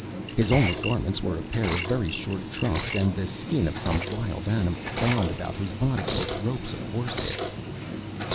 His only garments were a pair of very short trunks and the skin of some wild animal, bound about his body with ropes of horse hair.